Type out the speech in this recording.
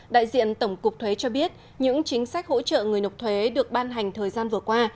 đại diện tổng cục thuế cho biết những chính sách hỗ trợ người nộp thuế được ban hành thời gian vừa qua